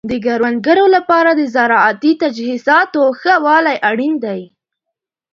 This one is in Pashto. د کروندګرو لپاره د زراعتي تجهیزاتو ښه والی اړین دی.